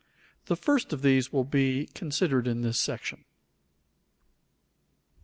The first of these will be considered in this section.